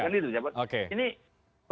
misalnya kan itu